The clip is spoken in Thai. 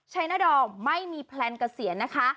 ชัยนาดอมไม่มีแพลนเกษียณนะคะ